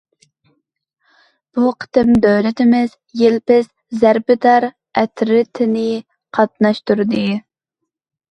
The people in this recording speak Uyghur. بۇ قېتىم، دۆلىتىمىز يىلپىز زەربىدار ئەترىتىنى قاتناشتۇردى.